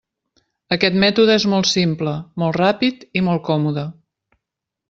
Aquest mètode és molt simple, molt ràpid i molt còmode.